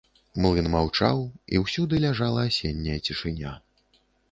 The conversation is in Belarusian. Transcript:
Млын маўчаў, і ўсюды ляжала асенняя цішыня.